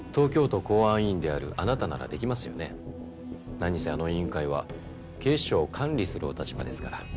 何せあの委員会は警視庁を管理するお立場ですから。